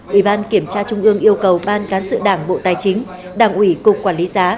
ủy ban kiểm tra trung ương yêu cầu ban cán sự đảng bộ tài chính đảng ủy cục quản lý giá